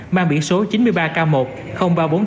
mang biển số chín mươi ba k một ba nghìn bốn trăm tám mươi bốn